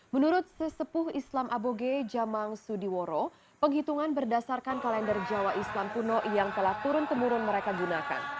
menurut sesepuh islam aboge jamang sudiworo penghitungan berdasarkan kalender jawa islam kuno yang telah turun temurun mereka gunakan